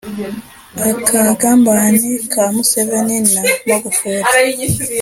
Akagambane ka Museveni na Magufuli.